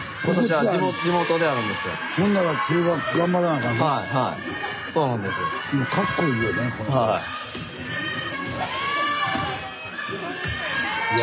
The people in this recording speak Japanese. はい。